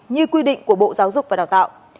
như quy định của bộ giáo dục và đào tạo